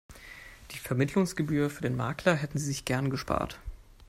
Die Vermittlungsgebühr für den Makler hätte sie sich gerne gespart.